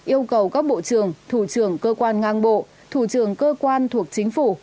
một mươi bốn yêu cầu các bộ trưởng thủ trưởng cơ quan ngang bộ thủ trưởng cơ quan thuộc chính phủ